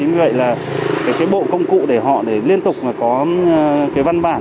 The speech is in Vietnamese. vì vậy là cái bộ công cụ để họ liên tục có văn bản